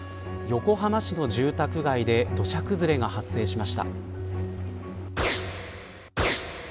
横浜市の住宅街で土砂崩れが発生しました。